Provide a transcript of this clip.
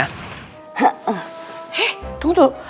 eh tunggu dulu